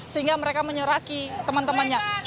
sehingga mereka menyoraki teman temannya